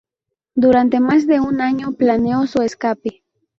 Durante más de un año planeó su escape.